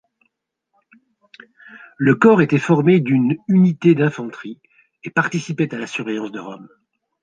Le corps était formé d'une unité d'infanterie et participait à la surveillance de Rome.